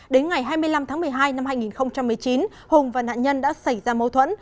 đến ngày hai mươi năm tháng một mươi hai năm hai nghìn một mươi chín hùng và nạn nhân đã xảy ra mâu thuẫn